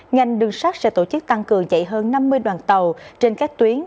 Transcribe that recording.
ngành đường sắt sẽ tổ chức tăng cường chạy hơn năm mươi đoàn tàu trên các tuyến